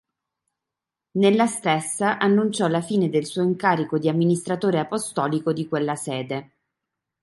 Nella stessa annunciò la fine del suo incarico di amministratore apostolico di quella sede.